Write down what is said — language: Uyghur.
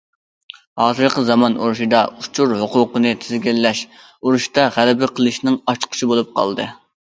ھازىرقى زامان ئۇرۇشىدا ئۇچۇر ھوقۇقىنى تىزگىنلەش ئۇرۇشتا غەلىبە قىلىشنىڭ ئاچقۇچى بولۇپ قالدى.